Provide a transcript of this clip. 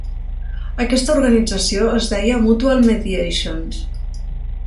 Aquesta organització es deia Mutual Mediations.